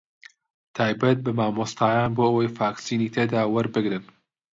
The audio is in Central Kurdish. تایبەت بە مامۆستایان بۆ ئەوەی ڤاکسینی تێدا وەربگرن